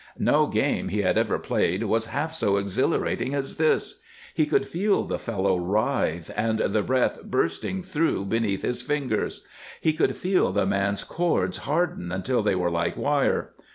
No game he had ever played was half so exhilarating as this. He could feel the fellow writhe and the breath bursting through beneath his fingers; he could feel the man's cords harden until they were like wire.